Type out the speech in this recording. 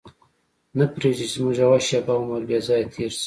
نه پرېږدي چې زموږ یوه شېبه عمر بې ځایه تېر شي.